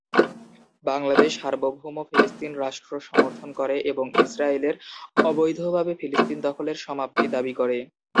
বাংলাদেশ সার্বভৌম ফিলিস্তিন রাষ্ট্র সমর্থন করে এবং ইসরায়েলের "অবৈধভাবে ফিলিস্তিন দখলের" সমাপ্তি দাবি করে।